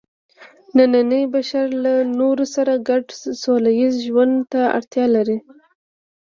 نننی بشر له نورو سره ګډ سوله ییز ژوند ته اړتیا لري.